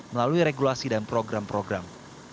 melalui regulasi dan program program